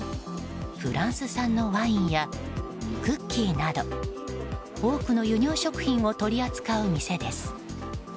フランス産のワインやクッキーなど多くの輸入食品を取り扱う店です。